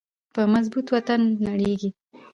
یو مضبوط وطن نړیږي